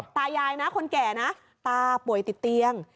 ตายายนะคนแก่นะตาป่วยติดเตียง